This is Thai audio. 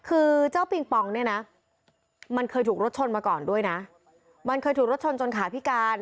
คือเจ้าปิงปองเนี่ยนะมันเคยถูกรถชนมาก่อนด้วยนะมันเคยถูกรถชนจนขาพิการ